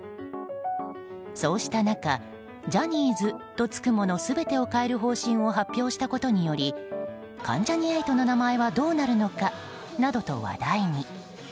そうした中ジャニーズとつくもの全てを変える方針を発表したことにより関ジャニ∞の名前はどうなるのかなどと話題に。